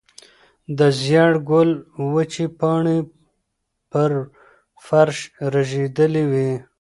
د زېړ ګل وچې پاڼې پر فرش رژېدلې وې.